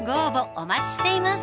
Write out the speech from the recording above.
お待ちしています